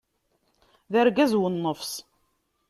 D argaz u nnefṣ!